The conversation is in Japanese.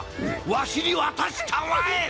わしに渡したまえ！